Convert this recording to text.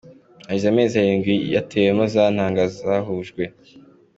Hashize amezi arindwi, yatewemo za ntanga zahujwe.